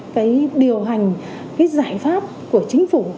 phải điều hành cái giải pháp của chính phủ